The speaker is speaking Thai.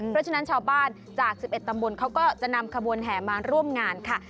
เพราะฉะนั้นชาวบ้านจาก๑๑ตำบลเขาก็จะนำขบวนแห่มาร่วมงานค่ะ